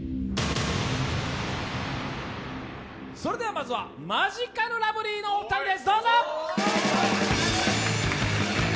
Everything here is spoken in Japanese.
まずはマヂカルラブリーのお二人です。